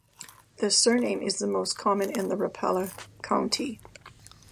The surname is the most common in Rapla County.